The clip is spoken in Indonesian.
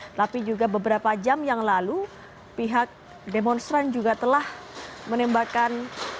tetapi juga beberapa jam yang lalu pihak demonstran juga telah menembakkan